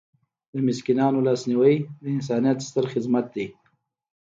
د مسکینانو لاسنیوی د انسانیت ستر خدمت دی.